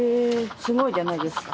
すごいじゃないですか。